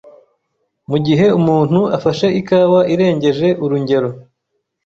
mu gihe umuntu afashe ikawa irengeje urungero,